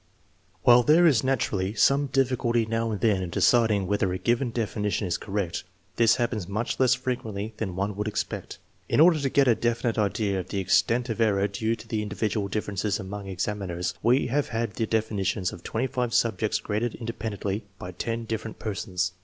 While there is naturally some difficulty now and then in deciding whether a given definition is correct, this hap pens much less frequently than one would expect. In order to get a definite idea of the extent of error due to the in dividual differences among examiners, we have had the definitions of 5 subjects graded independently by 10 dif ferent persons.